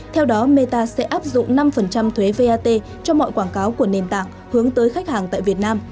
theo đó meta sẽ áp dụng năm thuế vat cho mọi quảng cáo của nền tảng hướng tới khách hàng tại việt nam